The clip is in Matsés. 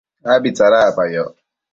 abi tsadacpayoc